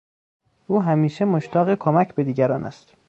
او همیشه مشتاق کمک به دیگران است.